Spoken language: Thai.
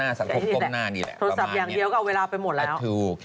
โทรศัพท์อย่างเดียวก็ออกไปหมดแล้ว